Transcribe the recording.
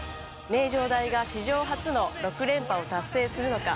名城大が史上初の６連覇を達成するのか。